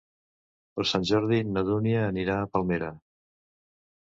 Per Sant Jordi na Dúnia anirà a Palmera.